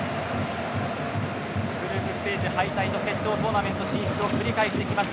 グループステージ敗退と決勝トーナメント進出を繰り返してきた